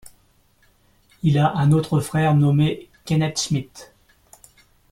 Il a un autre frère nommé Kenneth Schmidt.